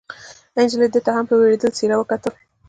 نجلۍ ده ته هم په وېرېدلې څېره وکتل.